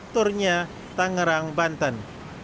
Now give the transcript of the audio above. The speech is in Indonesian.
turnya tangerang banten